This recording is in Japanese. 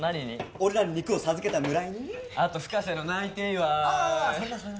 俺らに肉を授けた村井にあと深瀬の内定祝いああそれなそれな